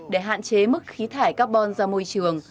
để hạn chế mức khí thải carbon ra môi trường